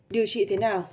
điều trị thế nào